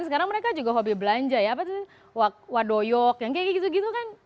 sekarang mereka juga hobi belanja ya apa tuh wadoyok yang kayak gitu gitu kan